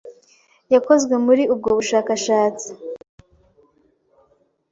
yakozwe muri ubwo bushakashatsi,